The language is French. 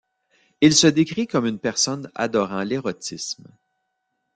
Il se décrit comme une personne adorant l'érotisme.